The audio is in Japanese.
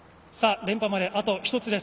連覇まで、あと１つです。